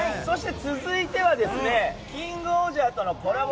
続いては「キングオージャー」とのコラボ